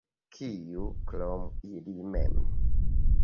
Kiu, krom ili mem?